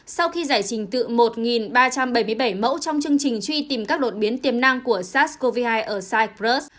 sau khi giải trình tự một ba trăm bảy mươi bảy mẫu trong chương trình truy tìm các đột biến tiềm năng của sars cov hai ở sicress